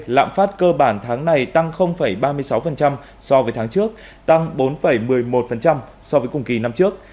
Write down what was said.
lạm phát cơ bản tháng này tăng ba mươi sáu so với tháng trước tăng bốn một mươi một so với cùng kỳ năm trước